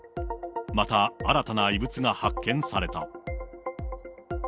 また新たな異物が発見された。